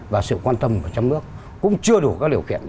và sự quan tâm của trong nước cũng chưa đủ các điều kiện